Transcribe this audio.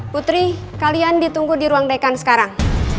putri kalian ditunggu di ruang dekan sekarang